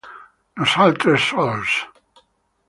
Nosaltres Sols!